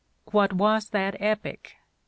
"What was that epoch ?